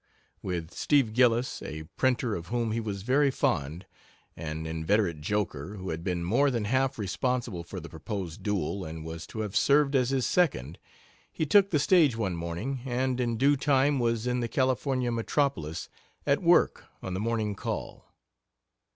With Steve Gillis, a printer, of whom he was very fond an inveterate joker, who had been more than half responsible for the proposed duel, and was to have served as his second he took the stage one morning, and in due time was in the California metropolis, at work on the Morning Call.